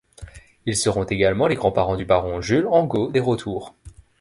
Ils seront également les grands-parents du baron Jules Angot des Rotours.